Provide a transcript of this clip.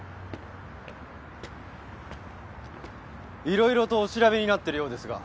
いろいろとお調べになってるようですが。